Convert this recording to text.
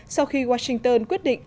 sau khi washington quyết định